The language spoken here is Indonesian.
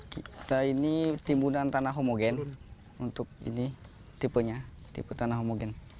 kita ini timbunan tanah homogen untuk ini tipenya tipe tanah homogen